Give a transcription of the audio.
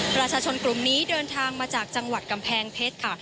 ประชาชนกลุ่มนี้เดินทางมาจากจังหวัดกำแพงเพชรค่ะ